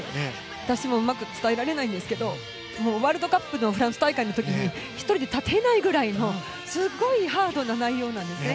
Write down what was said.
私もうまく伝えられないんですけどワールドカップのフランス大会で１人で立てないくらいのすごいハードな内容なんですね。